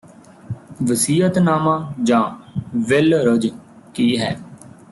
ਵਸੀਅਤਨਾਮਾ ਜਾਂ ਵਿੱਲ ਰੁਜ ਕੀ ਹੈ